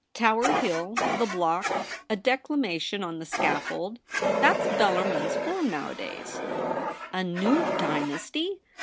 Tower Hill; the block; a decla mation on the scaffold ! That's Bellarmin s form nowadays.' ' A new dynasty